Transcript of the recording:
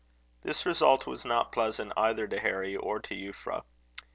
This result was not pleasant either to Harry or to Euphra.